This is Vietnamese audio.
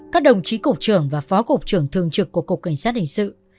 các đồng chí cục trưởng và phó cục trưởng thường trực của cục cảnh sát hình sự